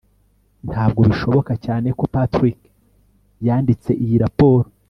ntabwo bishoboka cyane ko patrick yanditse iyi raporo